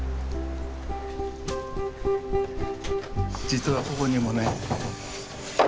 実はここにもね。